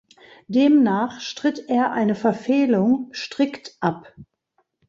Demnach stritt er eine Verfehlung strikt ab.